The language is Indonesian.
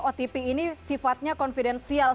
otp ini sifatnya konfidensial